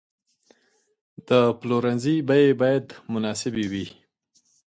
د پلورنځي بیې باید مناسبې وي.